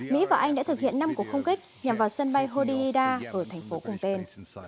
mỹ và anh đã thực hiện năm cuộc không kích nhằm vào sân bay hodeida ở thành phố cùng tên